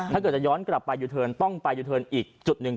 ถ้าเกิดจะย้อนกลับไปยูเทิร์นต้องไปยูเทิร์นอีกจุดหนึ่ง